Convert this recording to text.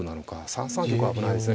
３三玉は危ないですね。